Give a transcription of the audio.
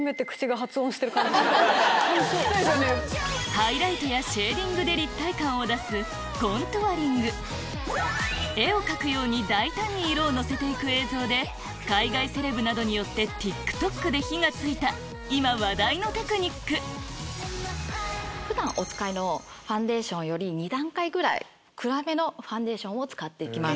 ハイライトやシェーディングで立体感を出す絵を描くように大胆に色を乗せていく映像で海外セレブなどによってＴｉｋＴｏｋで火が付いた今話題のテクニック普段お使いのファンデーションより２段階ぐらい暗めのファンデーションを使います。